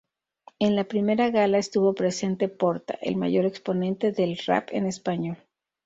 En la primera gala, estuvo presente Porta, el mayor exponente del rap en español.